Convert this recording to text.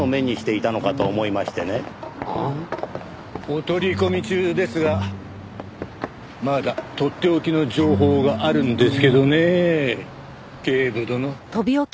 お取り込み中ですがまだとっておきの情報があるんですけどねえ警部殿。